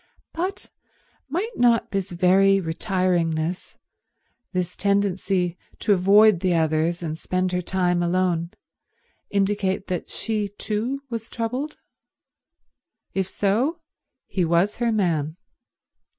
But might not this very retiringness, this tendency to avoid the others and spend her time alone, indicate that she too was troubled? If so, he was her man.